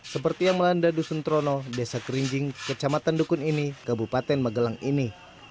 seperti yang melanda dusun trono desa kerinjing kecamatan dukun ini kabupaten magelang ini